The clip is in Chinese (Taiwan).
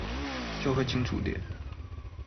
就會清楚點